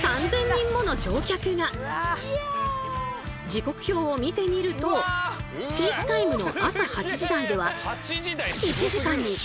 時刻表を見てみるとピークタイムの朝８時台では同時じゃん。